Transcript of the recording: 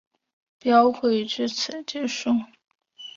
标会至此结束。